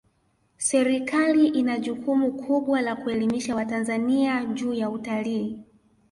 serikali ina jukumu kubwa la kuelimisha watanzania juu ya utalii